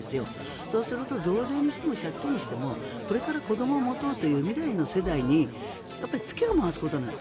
そうすると増税にしても借金にしてもこれから子どもを持とうという未来の世代に付けを回すことなんです。